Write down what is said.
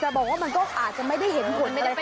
จะบอกว่ามันก็อาจจะไม่ได้เห็นผลอะไรขนาดนั้น